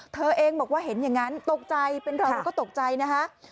เธอเองบอกว่าเห็นอย่างนั้นตกใจเป็นเราเธอก็ตกใจนะคะ